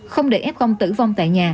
không để f tử vong tại nhà